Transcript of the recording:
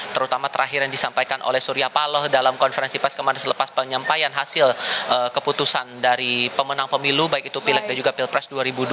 terutama terakhir yang disampaikan oleh surya paloh dalam konferensi pers kemarin selepas penyampaian hasil keputusan dari pemenang pemilu baik itu pilek dan juga pilpres dua ribu dua puluh